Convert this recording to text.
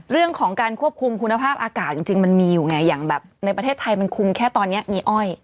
เรื่องของการควบคุมคุณภาพอากาศจริงมันมีอยู่ไงอย่างแบบในประเทศไทยมันคุมแค่ตอนนี้มีอ้อย